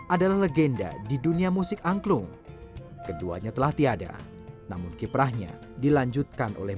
adalah legenda di dunia musik angklung keduanya telah tiada namun kiprahnya dilanjutkan oleh